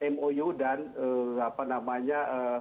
mou dan apa namanya